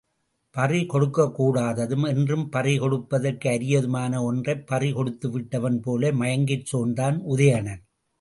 பறி கொடுக்கக் கூடாததும் என்றும் பறிகொடுப்பதற்கு அரியதுமான ஒன்றைப் பறி கொடுத்துவிட்டவன் போல மயங்கிச் சோர்ந்தான் உதயணன்.